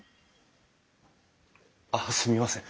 あっすみません。